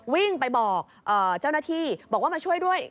วิ่งไปบอกเจ้าหน้าที่บอกว่ามาช่วยด้วย